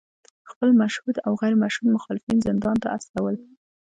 خپل مشهود او غیر مشهود مخالفین زندان ته استول